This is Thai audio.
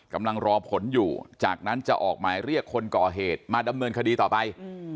กำลังรอผลอยู่จากนั้นจะออกหมายเรียกคนก่อเหตุมาดำเนินคดีต่อไป